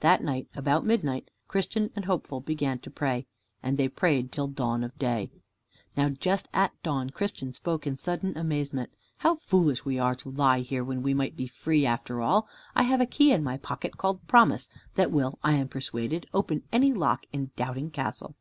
That night, about midnight, Christian and Hopeful began to pray, and they prayed till dawn of day. Now just at dawn Christian spoke in sudden amazement. "How foolish we are to lie here, when we might be free after all. I have a key in my pocket called Promise, that will, I am persuaded, open any lock in Doubting Castle."